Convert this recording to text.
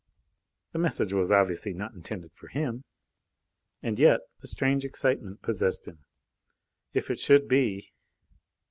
The message was obviously not intended for him, and yet.... A strange excitement possessed him. If it should be!